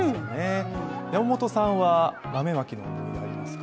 山本さんは豆まきの思い出ありますか？